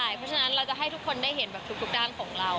เพราะฉะนั้นเราจะให้ทุกคนได้เห็นแบบทุกด้านของเรา